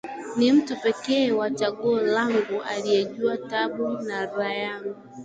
Ni mtu pekee wa chaguo langu aliyejua tabu na raha yangu